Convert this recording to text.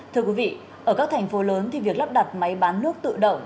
thưa quý vị ở các thành phố lớn thì việc lắp đặt máy bán nước tự động